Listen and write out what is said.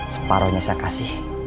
separohnya saya kasih